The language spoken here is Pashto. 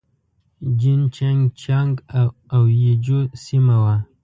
جين چنګ جيانګ او يي جو سيمه وه.